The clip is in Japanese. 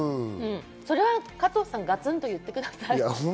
加藤さん、ガツンと言ってください。